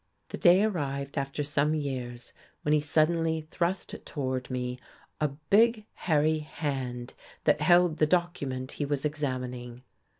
The day arrived, after some years, when he suddenly thrust toward me a big, hairy hand that held the document he was examining.